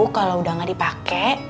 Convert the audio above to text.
kalau udah gak dipake